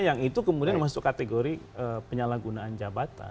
yang itu kemudian masuk kategori penyalahgunaan jabatan